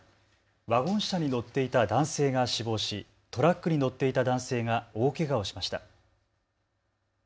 ワゴン車に乗っていた男性が死亡し、トラックに乗っていた男性が大けがをしました。